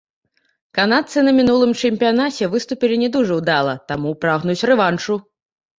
Канадцы на мінулым чэмпіянаце выступілі не дужа ўдала, таму прагнуць рэваншу.